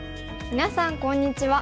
みなさんこんにちは。